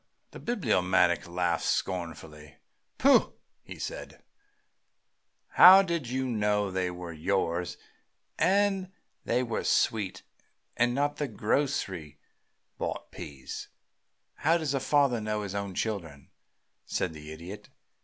The Bibliomaniac laughed scornfully. "Pooh!" said he. "How did you know that they were yours that were sweet, and not the grocery bought peas?" "How does a father know his own children?" said the Idiot.